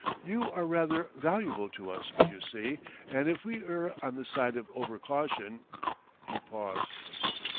"You are rather valuable to us, you see, and if we err on the side of over caution " He paused.